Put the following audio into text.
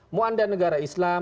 mau anda negara islam